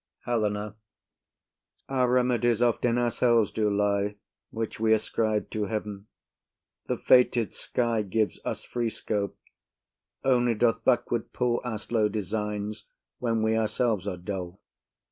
_] HELENA. Our remedies oft in ourselves do lie, Which we ascribe to heaven: the fated sky Gives us free scope; only doth backward pull Our slow designs when we ourselves are dull.